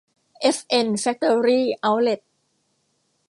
เอฟเอ็น แฟคตอรี่ เอ๊าท์เลท